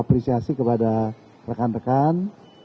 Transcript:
apresiasi kepada rekan rekan